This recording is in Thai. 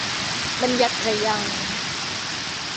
บัญญัติไตรยางค์